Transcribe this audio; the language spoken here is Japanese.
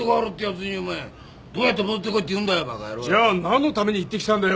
じゃあ何のために行ってきたんだよ？